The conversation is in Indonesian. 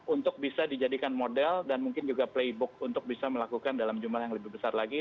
untuk bisa dijadikan model dan mungkin juga playbook untuk bisa melakukan dalam jumlah yang lebih besar lagi